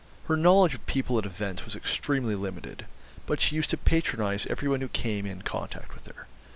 Her knowledge of people and events was extremely limited; but she used to patronise every one who came in contact with her.